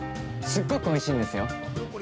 すっごくおいしいんですよ！